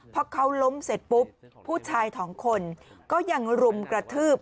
พอเขาล้มเสร็จปุ๊บผู้ชายสองคนก็ยังรุมกระทืบ